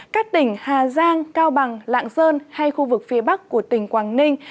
các tỉnh hà giang cao bằng lạng sơn hay khu vực phía bắc của tỉnh quảng ninh